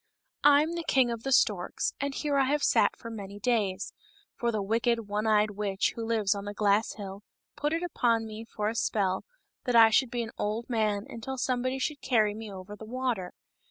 " I am king of the storks, and here I have sat for many days ; for the wicked one eyed witch who lives on the glass hill put it upon me for a spell that I should be an old man until somebody should carry me over the water.